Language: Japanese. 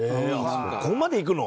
そこまでいくの？